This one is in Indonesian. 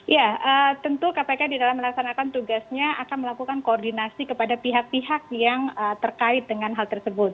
ya tentu kpk di dalam melaksanakan tugasnya akan melakukan koordinasi kepada pihak pihak yang terkait dengan hal tersebut